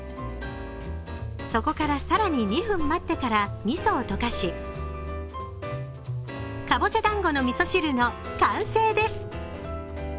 そこから更に２分待ってからみそを溶かしかぼちゃだんごのみそ汁の完成です。